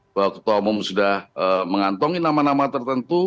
bahwa ketua umum sudah mengantongi nama nama tertentu